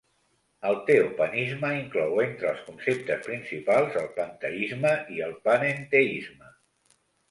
El teopanisme inclou entre els conceptes principals el panteisme i el panenteisme.